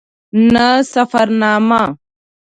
نه سفرنامه.